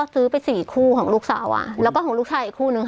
ซื้อไปสี่คู่ของลูกสาวแล้วก็ของลูกชายอีกคู่นึง